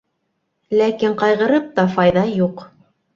Ләкин ҡайғырып та файҙа юҡ.